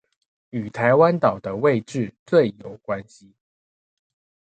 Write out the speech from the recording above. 與台灣島的位置最有關係